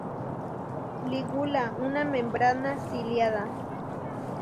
Lígula una membrana ciliada.